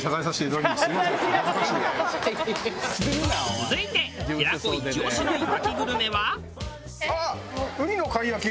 続いて平子イチ押しのいわきグルメは。